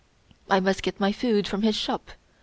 I must get my food from his shop.